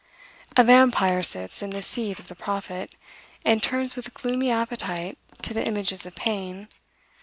A vampyre sits in the seat of the prophet, and turns with gloomy appetite to the images of pain.